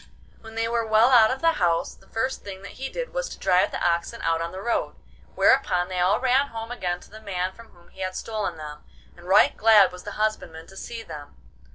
When they were well out of the house, the first thing that he did was to drive the oxen out on the road, whereupon they all ran home again to the man from whom he had stolen them, and right glad was the husbandman to see them.